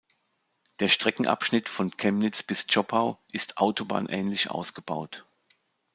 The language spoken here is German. Der Streckenabschnitt von Chemnitz bis Zschopau ist autobahnähnlich ausgebaut.